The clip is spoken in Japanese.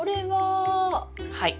はい。